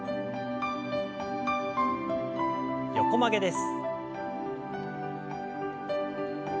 横曲げです。